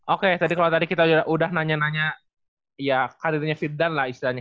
oke tadi kalau tadi kita udah nanya nanya ya karirnya fitdal lah istilahnya